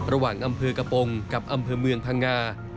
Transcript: ระหว่างอำเพอร์กระโปรงกับอำเพอร์เมืองพะงา